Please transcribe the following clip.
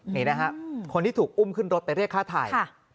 นี่นะฮะคนที่ถูกอุ้มขึ้นรถไปเรียกฆ่าไทย